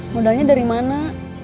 modalnya dari mana